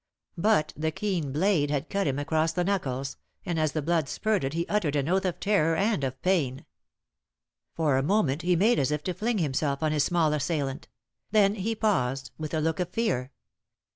But the keen blade had cut him across the knuckles, and as the blood spurted he uttered an oath of terror and of pain. For a moment he made as if to fling himself on his small assailant; then he paused, with a look of fear.